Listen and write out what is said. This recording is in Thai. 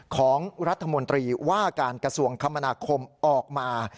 ของรัฐมนตรีว่าการกระทรวงคมนาคมออกมา